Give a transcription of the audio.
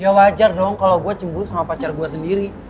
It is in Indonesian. ya wajar dong kalau gue cemburu sama pacar gue sendiri